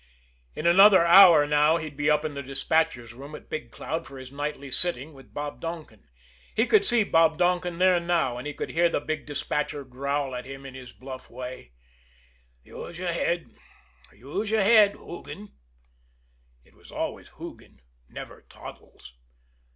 In another hour now he'd be up in the despatcher's room at Big Cloud for his nightly sitting with Bob Donkin. He could see Bob Donkin there now; and he could hear the big despatcher growl at him in his bluff way: "Use your head use your head Hoogan!" It was always "Hoogan," never "Toddles."